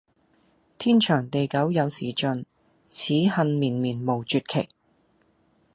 天長地久有時盡，此恨綿綿無絕期！